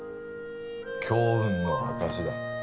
強運の証しだ